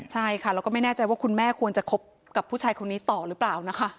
ใช่ค่ะแล้วก็ไม่แน่ใจว่าคุณแม่ควรจะคบกับผู้ชายคนนี้ต่อหรือเปล่านะคะ